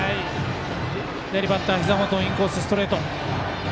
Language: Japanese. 左バッターひざ元のインコース、ストレート。